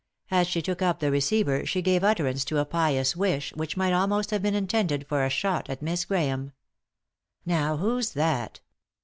As she took up the receiver she gave utterance to a pious wish which might almost have been intended for a shot at Miss Grahame. " Now, who's that